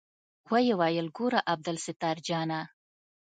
ويې ويل ګوره عبدالستار جانه.